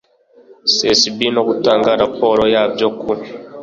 cesb no gutanga raporo yabyo ku